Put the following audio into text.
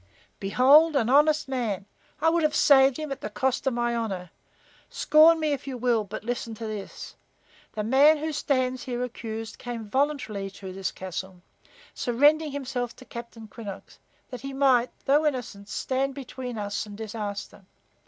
"Behold an honest man. I would have saved him at the cost of my honor. Scorn me if you will, but listen to this. The man who stands here accused came voluntarily to this castle, surrendering himself to Captain Quinnox, that he might, though innocent, stand between us and disaster.